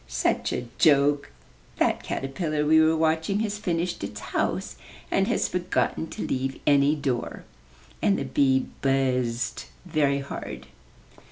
"Such a joke! That caterpillar we were watching has finished its house, and has forgotten to leave any door," and the bee buzzed very hard.